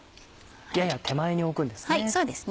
やや手前に置くんですね。